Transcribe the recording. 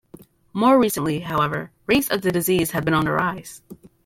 More recently, however, rates of the disease have been on the rise.